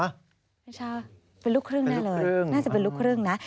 ไม่ใช่เป็นลูกครึ่งแน่เลยน่าจะเป็นลูกครึ่งนะ